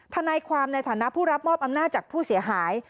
ทนายความในฐานะผู้รับมอบอำนาจจากผู้เสียหาย